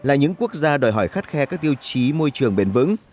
là những quốc gia đòi hỏi khắt khe các tiêu chí môi trường bền vững